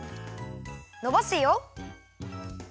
のばすよ。